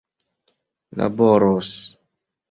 laboros